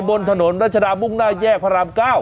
บนถนนรัชดามุ่งหน้าแยกพระราม๙